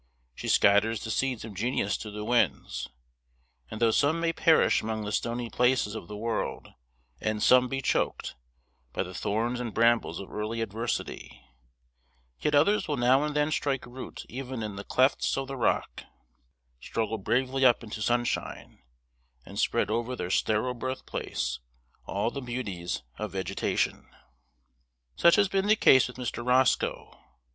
She scatters the seeds of genius to the winds, and though some may perish among the stony places of the world, and some be choked, by the thorns and brambles of early adversity, yet others will now and then strike root even in the clefts of the rock, struggle bravely up into sunshine, and spread over their sterile birthplace all the beauties of vegetation. Such has been the case with Mr. Roscoe.